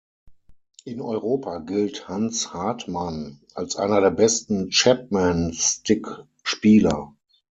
In Europa gilt Hans Hartmann als einer der besten Chapman-Stick-Spieler.